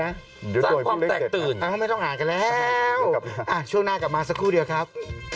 สร้างความแตกตื่นไม่ต้องอ่านกันแล้วช่วงหน้ากลับมาสักครู่เดียวครับ